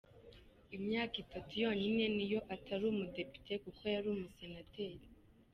Imyaka itatu yonyine ni yo atari umudepite kuko yari umusenateri.